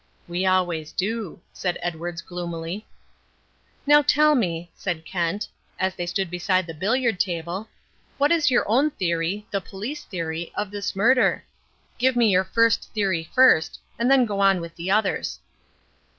"We always do," said Edwards gloomily. "Now tell me," said Kent, as they stood beside the billiard table, "what is your own theory, the police theory, of this murder? Give me your first theory first, and then go on with the others."